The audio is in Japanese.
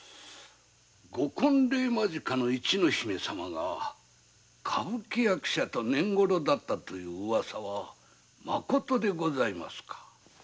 ご婚礼間近の一の姫様が歌舞伎役者と懇ろだったというウワサはまことでございますか？